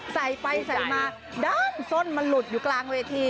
ใส่ไปใส่มาด้านส้นมันหลุดอยู่กลางเวที